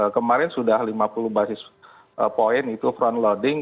kemarin sudah lima puluh basis point itu front loading